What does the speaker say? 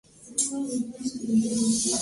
Presentación del Heredero al Trono.